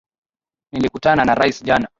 Nilikutana na rais jana